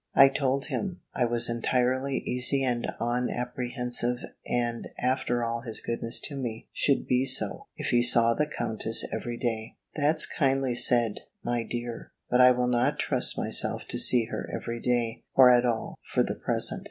I told him, I was entirely easy and unapprehensive; and, after all his goodness to me, should be so, if he saw the Countess every day. "That's kindly said, my dear; but I will not trust myself to see her every day, or at all, for the present.